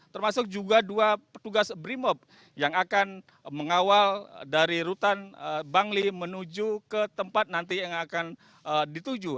termasuk juga dua petugas brimob yang akan mengawal dari rutan bangli menuju ke tempat nanti yang akan dituju